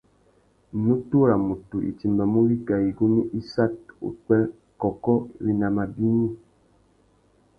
Nutu râ mutu i timbamú wikā igunú issat, upwê, kôkô, winama bignï.